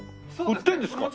売ってるんですか？